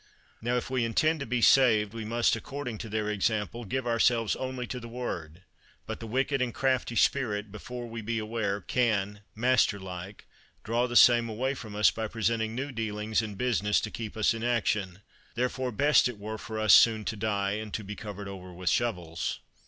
Now, if we intend to be saved, we must, according to their example, give ourselves only to the Word. But the wicked and crafty spirit, before we be aware, can, master like, draw the same away from us, by presenting new dealings and business to keep us in action. Therefore best it were for us soon to die, and to be covered over with shovels.